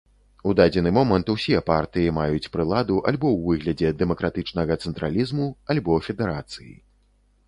У дадзены момант усе партыі маюць прыладу альбо ў выглядзе дэмакратычнага цэнтралізму, альбо федэрацыі.